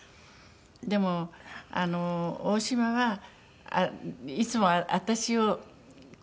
でもあの大島はいつも私を。